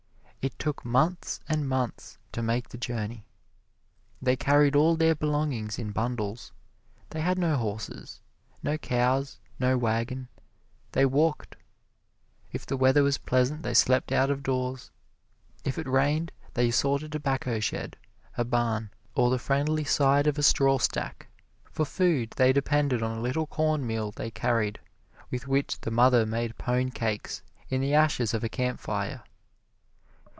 It took months and months to make the journey. They carried all their belongings in bundles. They had no horses no cows no wagon they walked. If the weather was pleasant they slept out of doors; if it rained they sought a tobacco shed, a barn, or the friendly side of a straw stack. For food they depended on a little cornmeal they carried, with which the mother made pone cakes in the ashes of a campfire.